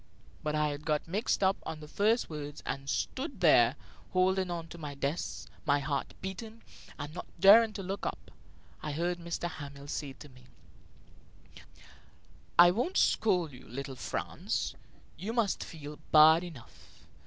But I got mixed up on the first words and stood there, holding on to my desk, my heart beating, and not daring to look up. I heard M. Hamel say to me: "I won't scold you, little Franz; you must feel bad enough.